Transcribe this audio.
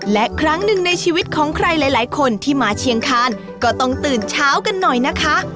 และครั้งหนึ่งในชีวิตของใครหลายคนที่มาเชียงคานก็ต้องตื่นเช้ากันหน่อยนะคะ